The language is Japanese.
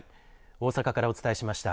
大阪からお伝えしました。